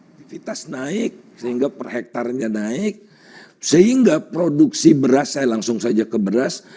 aktivitas naik sehingga per hektarnya naik sehingga produksi beras saya langsung saja ke beras